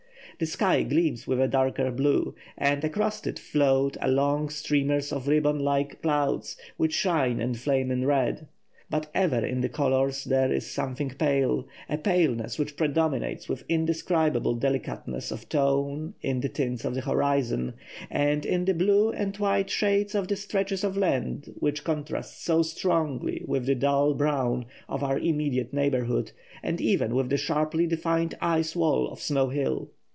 The sky gleams with a darker blue, and across it float long streamers of ribbon like clouds, which shine and flame in red. But ever in the colours there is something pale, a paleness which predominates with indescribable delicateness of tone in the tints of the horizon, and in the blue and white shades of the stretches of land, which contrast so strongly with the dull brown of our immediate neighbourhood, and even with the sharply defined ice wall of Snow Hill.